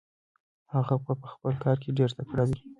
هغه په خپل کار کې ډېر تکړه دی.